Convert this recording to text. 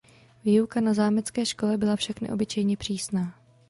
Výuka na zámecké škole byla však neobyčejně přísná.